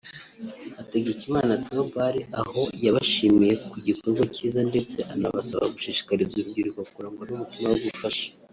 Hategekimana Theobald aho yabashimiye ku gikorwa cyiza ndetse anabasaba gushishikariza urubyiruko kurangwa n’umutima wo gufasha